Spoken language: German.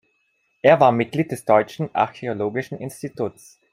Er war Mitglied des Deutschen Archäologischen Instituts.